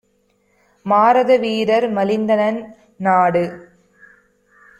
மாரத வீரர் மலிந்தநன் னாடு